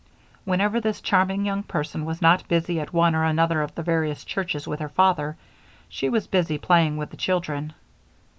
Whenever this charming young person was not busy at one or another of the various churches with her father, she was playing with the children.